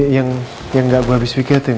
yang tidak saya berpikirkan adalah